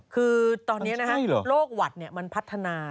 คือตอนนี้โรคหวัดมันพัฒนา